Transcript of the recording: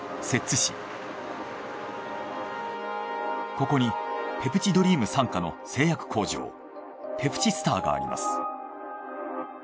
ここにペプチドリーム傘下の製薬工場ペプチスターがあります。